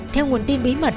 theo nguồn tin bí mật